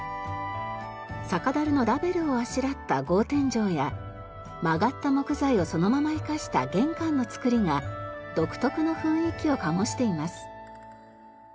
酒だるのラベルをあしらった格天井や曲がった木材をそのまま生かした玄関の造りが独特の雰囲気を醸しています。